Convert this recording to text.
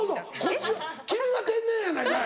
こっち君が天然やないかい。